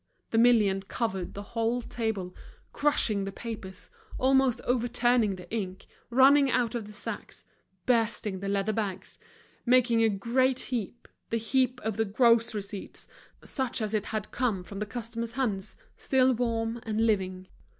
The million covered the whole table, crushing the papers, almost overturning the ink, running out of the sacks, bursting the leather bags, making a great heap, the heap of the gross receipts, such as it had come from the customers' hands, still warm and living.